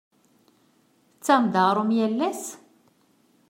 Tettaɣem-d aɣrum yal ass?